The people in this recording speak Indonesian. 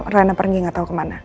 rena pergi gak tau kemana